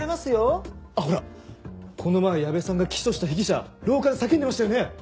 あっほらこの前矢部さんが起訴した被疑者廊下で叫んでましたよね？